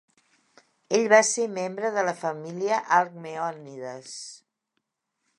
Ell va ser membre de la família Alcmeònides.